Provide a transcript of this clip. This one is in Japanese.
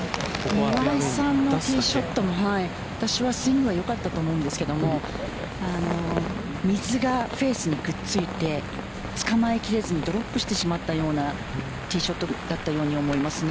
岩井さんのショットも私はスイングはよかったと思うんですが水がフェイスにくっついて捕まえきれずにドロップしてしまったようなティーショットだったように思います。